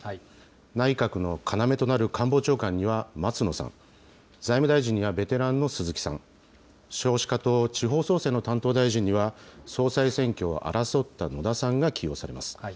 内閣の要となる官房長官には松野さん、財務大臣にはベテランの鈴木さん、少子化と地方創生の担当大臣には、総裁選挙を争った野田さんが起用されます。